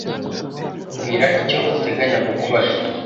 Mbwira icyo uteganya gukora.